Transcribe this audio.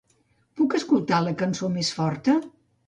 Puc escoltar la cançó més forta?